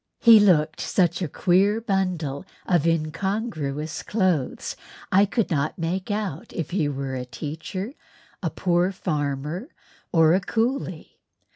He looked such a queer bundle of incongruous clothes I could not make out if he were a teacher, a poor farmer, or a coolie.